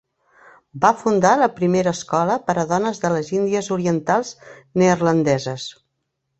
Va fundar la primera escola per a dones de les Índies Orientals Neerlandeses.